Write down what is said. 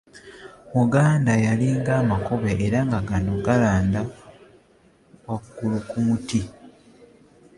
muganda yalinga amakobe era nga gano galanda nga waggulu ku muti